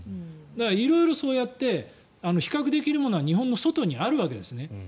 色々、そうやって比較できるものは日本の外にあるわけです。